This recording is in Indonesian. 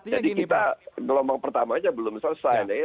jadi kita gelombang pertama aja belum selesai